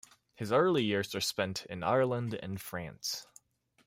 His early years were spent in Ireland and France.